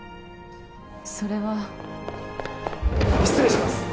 それは失礼します